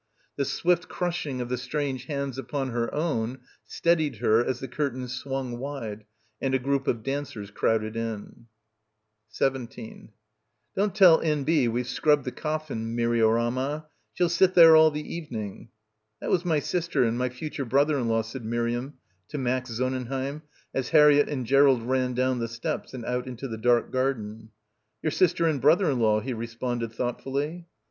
The swift crushing of the strange hands upon her own, steadied her as the curtains swung wide and a group of dancers crowded in. 17 "Don't tell N.B. we've scrubbed the coffin, Miriorama — she'll sit there all the evening." "That was my sister and my future brother in law," said Miriam to Max Sonnenheim as Harriett and Gerald ran down the steps and out into the dark garden. "Your sister and brother in law," he responded thoughtfully.